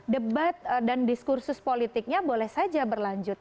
debat dan diskursus politiknya boleh saja berlanjut